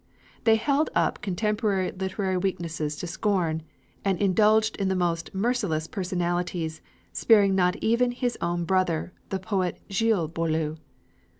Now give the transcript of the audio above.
They held up contemporary literary weaknesses to scorn, and indulged in the most merciless personalities, sparing not even his own brother, the poet Gilles Boileau.